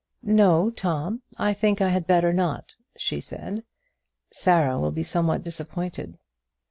"No, Tom, I think I had better not," she said. "Sarah will be somewhat disappointed."